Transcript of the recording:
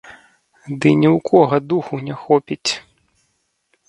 Ды ні ў кога духу не хопіць!